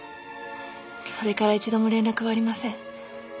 それから一度も連絡はありません。